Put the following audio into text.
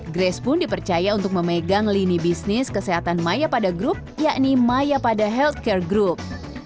grace pun dipercaya untuk memegang lini bisnis kesehatan maya pada grup yakni maya pada healthcare group